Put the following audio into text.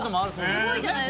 すごいじゃないですか。